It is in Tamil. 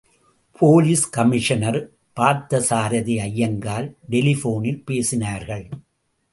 போலீஸ் கமிஷனர் பார்த்தசாரதி ஐயங்கார் டெலிபோனில் பேசினார்கள்.